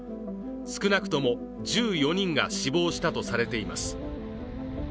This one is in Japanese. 少なくとも１４人が死亡したとされています。